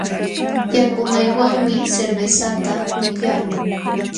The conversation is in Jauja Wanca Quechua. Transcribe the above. Yakunaywanmi cervezata upyaqlun.